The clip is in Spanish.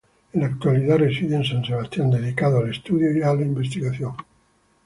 En la actualidad reside en San Sebastián, dedicado al estudio y a la investigación.